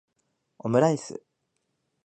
オムライス